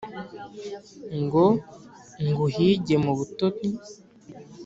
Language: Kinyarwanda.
ngo nguhige mu butoni,